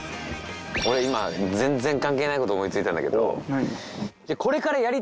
俺今全然関係ないこと思い付いたんだけど。